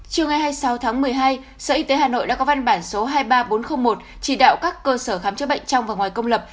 chiều ngày hai mươi sáu tháng một mươi hai sở y tế hà nội đã có văn bản số hai mươi ba nghìn bốn trăm linh một chỉ đạo các cơ sở khám chữa bệnh trong và ngoài công lập